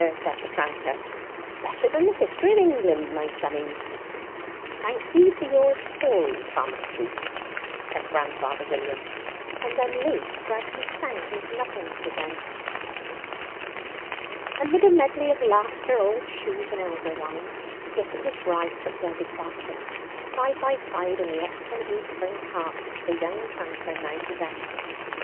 said the tranter. "Better than the history of England, my sonnies!" "Thank you for your story, Thomas Leaf," said grandfather William; and then Leaf gradually sank into nothingness again. Amid a medley of laughter, old shoes, and elder wine, Dick and his bride took their departure, side by side in the excellent new spring cart which the young tranter now possessed.